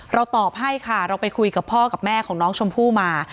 ตอบให้ค่ะเราไปคุยกับพ่อกับแม่ของน้องชมพู่มา